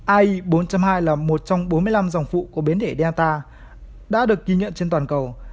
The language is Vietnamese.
ai bốn trăm linh hai là một trong bốn mươi năm dòng phụ của biến thể delta đã được ghi nhận trên toàn cầu